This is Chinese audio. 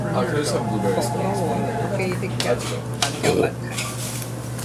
房东和邻居的人品有问题